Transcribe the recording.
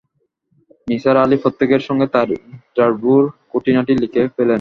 নিসার আলি প্রত্যেকের সঙ্গে তাঁর ইন্টারভূর খুঁটিনাটি লিখে ফেললেন।